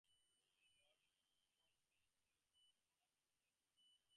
This layout is commonly used in modern passenger cars.